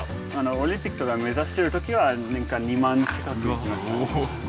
オリンピックを目指してる時は年間２万近く乗ってました。